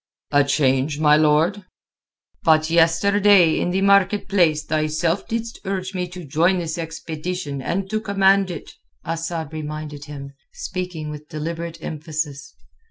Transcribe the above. "A change, my lord?" "But yesterday in the market place thyself didst urge me to join this expedition and to command it," Asad reminded him, speaking with deliberate emphasis.